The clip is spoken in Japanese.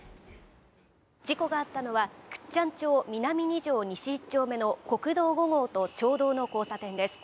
事故があったのは、倶知安町南２条西１丁目の国道５号と町道の交差点です。